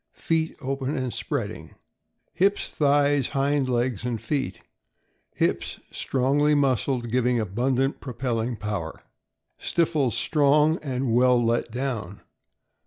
Feet open and spreading. Hips, thighs, hind legs, and feet. — Hips strongly mus cled, giving abundant propelling power. Stifles strong and well let down.